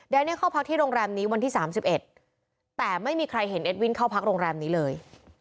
เน่เข้าพักที่โรงแรมนี้วันที่๓๑แต่ไม่มีใครเห็นเอ็ดวินเข้าพักโรงแรมนี้เลย